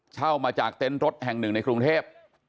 เช่ามาจากเต็นต์รถแห่งหนึ่งในกรุงเทพ